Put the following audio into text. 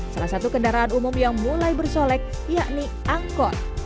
salah satu kendaraan umum yang mulai bersolek yakni angkot